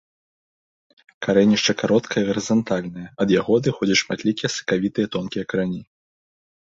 Карэнішча кароткае гарызантальнае, ад яго адыходзяць шматлікія сакавітыя тонкія карані.